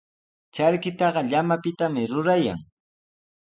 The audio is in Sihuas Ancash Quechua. Charkitaqa llamapitami rurayan.